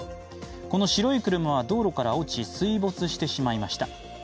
この白い車は道路から落ち水没してしまいました。